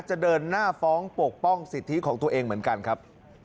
จะเดินหน้าฟ้องปกป้องสิทธิของตัวเองเหมือนกันครับ